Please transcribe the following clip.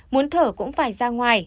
muốn thở cũng phải ra ngoài